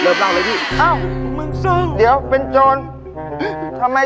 ไม่มีอะไรของเราเล่าส่วนฟังครับพี่